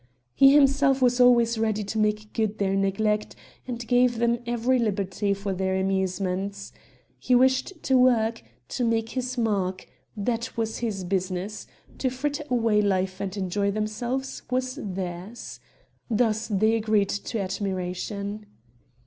He himself was always ready to make good their neglect and gave them every liberty for their amusements. He wished to work, to make his mark that was his business; to fritter away life and enjoy themselves was theirs. Thus they agreed to admiration.